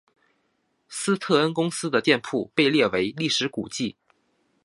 斯特恩公司的店铺被列为历史古迹。